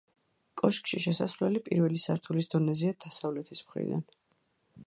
კოშკში შესასვლელი პირველი სართულის დონეზეა დასავლეთის მხრიდან.